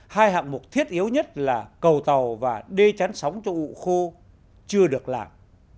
hai hạng mục thiết yếu nhất là cầu tàu và đê chắn sóng cho ụ khô chưa được làm